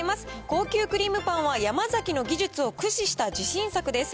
高級クリームパンは、ヤマザキの技術を駆使した自信作です。